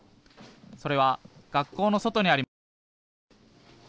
それは、学校の外にありました。